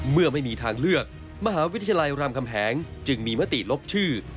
เมื่อไม่มีทางเลือกมหาวิทยาลัยรามคำแหงจึงมีมติลบชื่อ